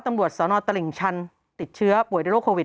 ตำรวจสนตลิ่งชันติดเชื้อป่วยโรคโควิด๑๙